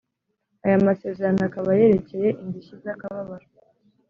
ayo masezerano akaba yerekeye indishyi za kababaro